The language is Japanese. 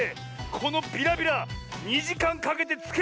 このビラビラ２じかんかけてつけたよ！